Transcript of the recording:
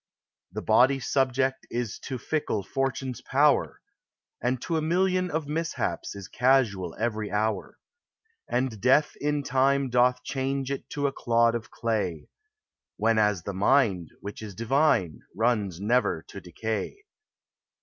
The body subject is to fickle Fortune's power, And to a million of mishaps is casual every hour ; And death in time doth change it to a clod of clay ; Whenas the mind, which is divine, runs never to decay.